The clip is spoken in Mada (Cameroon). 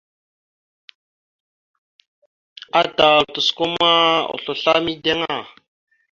Atal tosəkomala oslo asla mideŋ a.